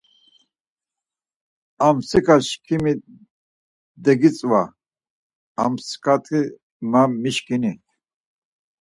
Amtsika şǩimi degitzva, amtsikati ma mişǩini.